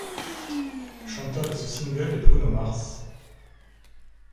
Le chanteur de ce single est Bruno Mars.